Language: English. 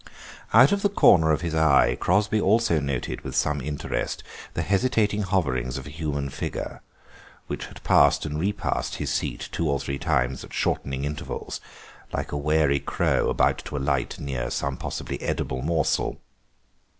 Out of the corner of his eye Crosby also noted with some interest the hesitating hoverings of a human figure, which had passed and repassed his seat two or three times at shortening intervals, like a wary crow about to alight near some possibly edible morsel.